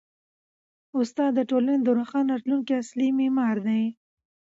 استاد د ټولني د روښانه راتلونکي اصلي معمار دی.